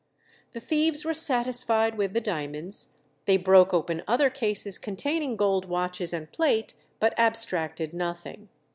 The thieves were satisfied with the diamonds; they broke open other cases containing gold watches and plate, but abstracted nothing.